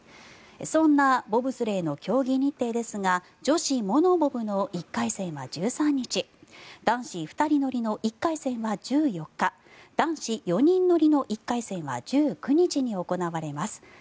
そんなボブスレーの競技日程ですが女子モノボブの１回戦は１３日男子２人乗りの１回戦は１４日男子４人乗りの１回戦は１９日に行われます。